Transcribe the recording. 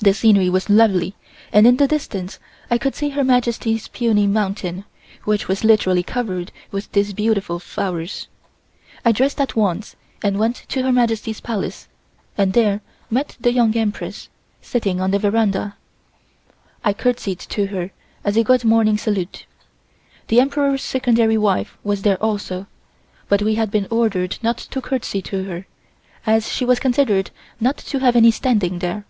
The scenery was lovely and in the distance I could see Her Majesty's peony mountain, which was literally covered with these beautiful flowers. I dressed at once and went to Her Majesty's Palace and there met the Young Empress sitting on the veranda. I courtesied to her as a good morning salute. The Emperor's Secondary wife was there also, but we had been ordered not to courtesy to her, as she was considered not to have any standing there.